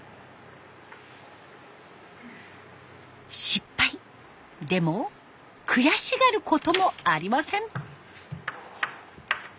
失敗！でも悔しがることもありません。